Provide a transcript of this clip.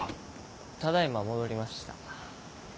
ただ今戻りました。